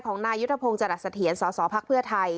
ของนายยุทธพงศ์จรัสเถียนสภพไทย